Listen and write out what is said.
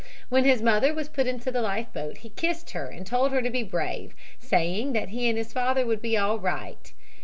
When his mother was put into the life boat he kissed her and told her to be brave, saying that he and his father would be all right.